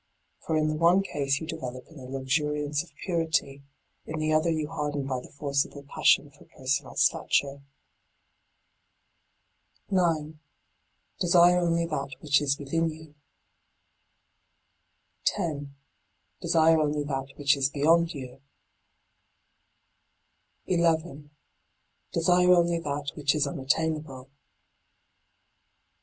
For in the one case you develop in the luxuriance of purity, in the other you harden by the forcible passion for personal stature. d by Google 8 LIGHT ON THE PATH 9. Desire only that which is within you. 10. Desire only that which is beyond you. 11. Desire only that which is unattainable.